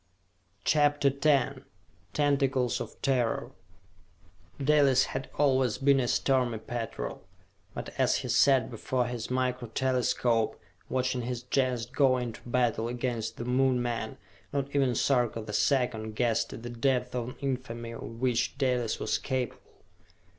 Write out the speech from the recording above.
CHAPTER X Tentacles of Terror Dalis had always been a stormy petrel, but as he sat before his Micro Telescope, watching his Gens go into battle against the Moon men, not even Sarka the Second guessed the depth of infamy of which Dalis was capable.